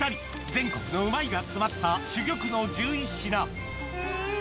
全国のうまいが詰まった珠玉の１１品うん！